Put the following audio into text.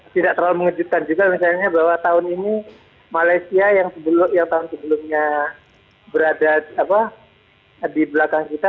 tidak terlalu mengejutkan juga misalnya bahwa tahun ini malaysia yang tahun sebelumnya berada di belakang kita